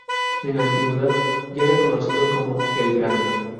En la Antigüedad ya era conocido como "el Grande".